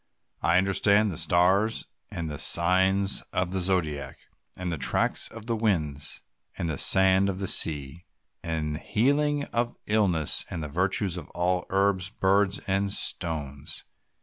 I understand the stars, and the signs of the Zodiac, and the tracks of the winds, the sand of the sea, the healing of illness, and the virtues of all herbs, birds, and stones.